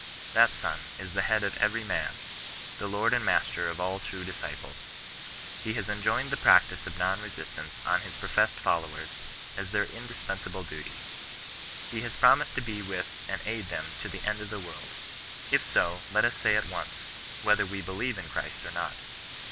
That Son is the Head of every man — the Lord and Master of aU true disciples. He has enjoined tlif^ 142 CHRISTIAN NON RESISTANOB. practice of non resistance on his profesEod followem as their indispensable duty. He has promised to be with and aid them to the end of the world. If so, let us say at once, whether we believe in Christ or not.